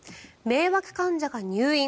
迷惑患者が入院。